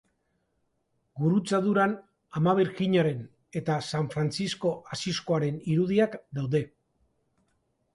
Gurutzaduran Ama Birjinaren eta San Frantzisko Asiskoaren irudiak daude.